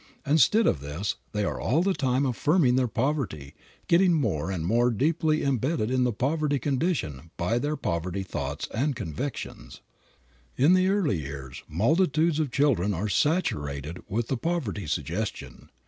Instead of this they are all the time affirming their poverty, getting more and more deeply imbedded in the poverty condition by their poverty thoughts and convictions. The early years of multitudes of children are saturated with the poverty suggestion.